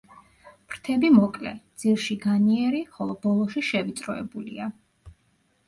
ფრთები მოკლე, ძირში განიერი, ხოლო ბოლოში შევიწროებულია.